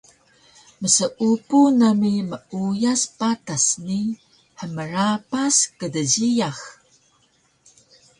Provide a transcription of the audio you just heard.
Mseupu nami meuyas patas ni hmrapas kdjiyax